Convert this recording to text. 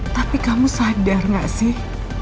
tapi kamu sadar gak sih